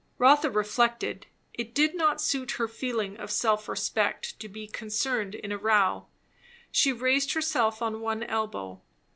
Rotha reflected. It did not suit her feeling of self respect to be concerned in a row. She raised herself on one elbow.